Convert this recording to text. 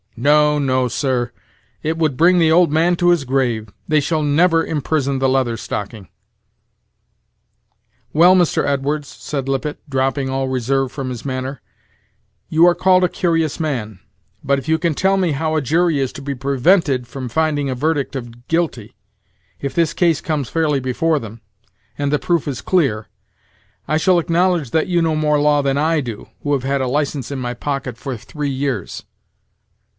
no, no, sir; it would bring the old man to his grave. They shall never imprison the Leather Stocking." "Well, Mr. Edwards," said Lippet, dropping all reserve from his manner, "you are called a curious man; but if you can tell me how a jury is to be prevented from finding a verdict of guilty, if this case comes fairly before them, and the proof is clear, I shall acknowledge that you know more law than I do, who have had a license in my pocket for three years."